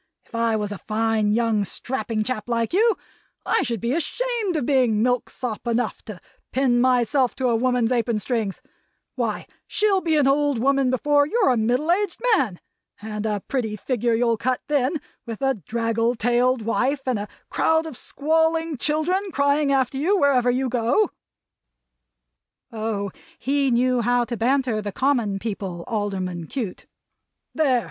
If I was a fine, young, strapping chap like you, I should be ashamed of being milksop enough to pin myself to a woman's apron strings! Why, she'll be an old woman before you're a middle aged man! And a pretty figure you'll cut then, with a draggle tailed wife and a crowd of squalling children crying after you wherever you go!" Oh, he knew how to banter the common people, Alderman Cute! "There!